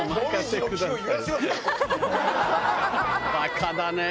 バカだねえ